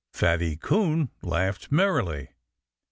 Fatty Coon laughed merrily.